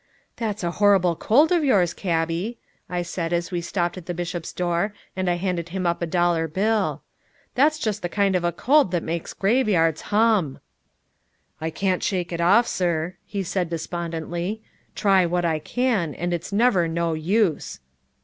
"That's a horrible cold of yours, Cabby," I said as we stopped at the bishop's door and I handed him up a dollar bill. "That's just the kind of a cold that makes graveyards hum!" "I can't shake it off, sir," he said despondently. "Try what I can, and it's never no use!"